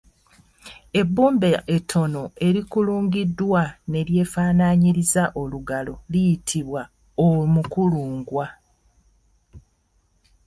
Ebbumba ettono erikulungiddwa ne lyefaanaanyiriza olugalo liyitibwa omukulungwa.